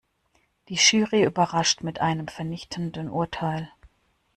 Die Jury überrascht mit einem vernichtenden Urteil.